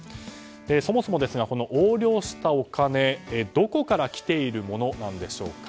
そもそも横領したお金はどこからきているものなんでしょうか。